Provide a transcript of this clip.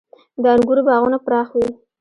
• د انګورو باغونه پراخ وي.